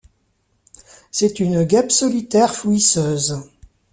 C'est une guêpe solitaire fouisseuse.